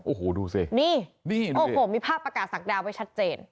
โอ้โหดูสินี่โอ้โหมีภาพประกาศศักดาไว้ชัดเจน